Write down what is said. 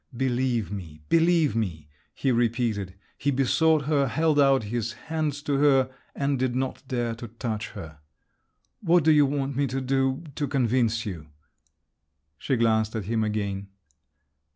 "Believe me! believe me!" he repeated. He besought her, held out his hands to her, and did not dare to touch her. "What do you want me to do … to convince you?" She glanced at him again.